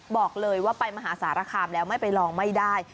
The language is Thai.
บอกเลยว่าไปมหาสารคามแล้วไม่ไปลองไม่ได้